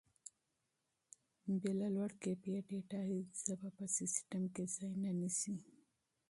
بې له لوړ کیفیت ډیټا هیڅ ژبه په سیسټم کې ځای نه نیسي.